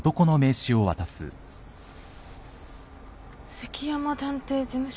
関山探偵事務所？